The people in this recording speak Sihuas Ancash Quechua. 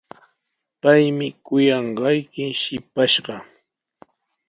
Paymi kuyanqayki shipashqa.